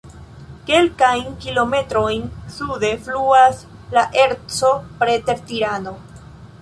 Kelkajn kilometrojn sude fluas la Erco preter Tirano.